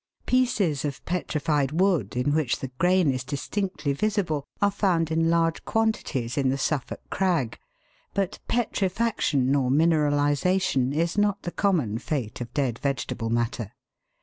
Pieces of petrified wood, in which the grain is distinctly visible, are found in large quantities in the Suffolk Crag, but petrifaction or mineralisation is not the common fate of dead vegetable matter.